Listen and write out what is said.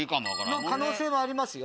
可能性はありますよ。